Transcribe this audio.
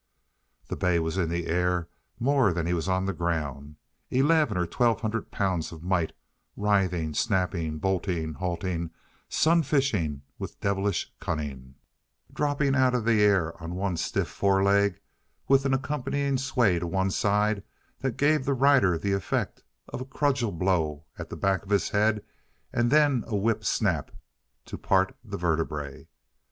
The bay was in the air more than he was on the ground, eleven or twelve hundred pounds of might, writhing, snapping, bolting, halting, sunfishing with devilish cunning, dropping out of the air on one stiff foreleg with an accompanying sway to one side that gave the rider the effect of a cudgel blow at the back of the head and then a whip snap to part the vertebrae.